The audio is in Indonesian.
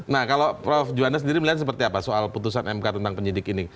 nah kalau prof juanda sendiri melihat seperti apa soal putusan mk tentang penyidik ini